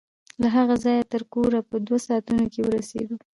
له هغه ځايه تر کوره په دوو ساعتو کښې ورسېدو.